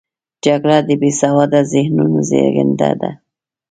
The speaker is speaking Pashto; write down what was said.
جګړه د بې سواده ذهنونو زیږنده ده